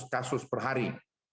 kasus per hari